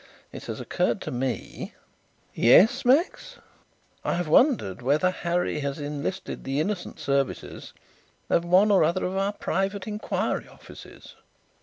It has occurred to me " "Yes, Max?" "I have wondered whether Harry has enlisted the innocent services of one or other of our private inquiry offices."